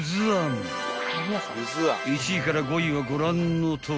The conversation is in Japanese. ［１位から５位はご覧のとおり］